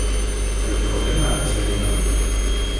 El problema ha de ser un altre.